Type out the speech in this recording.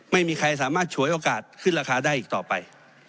ไม่มีใครสามารถฉวยโอกาสขึ้นราคาได้อีกต่อไป